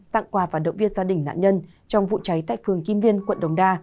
tặng quà và động viên gia đình nạn nhân trong vụ cháy tại phường kim biên quận đồng đa